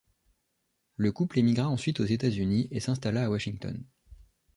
Le couple émigra ensuite aux États-Unis et s'installa à Washington.